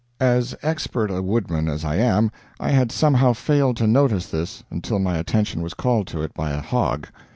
As expert a woodman as I am, I had somehow failed to notice this until my attention was called to it by a hog.